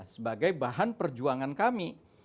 sebagai bahan perjuangan kami